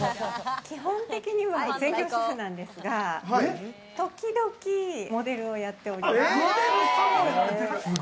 基本的には専業主婦なんですが、時々モデルをやっております。